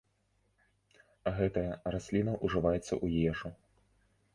Гэта расліна ўжываецца ў ежу.